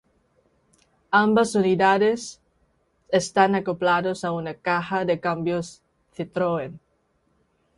Ambas unidades están acoplados a una caja de cambios Citroën.